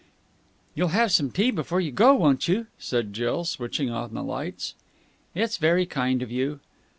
"You'll have some tea before you go, won't you?" said Jill, switching on the lights. "It's very kind of you."